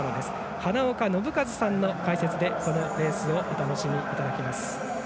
花岡伸和さんの解説でこのレースをお楽しみいただきます。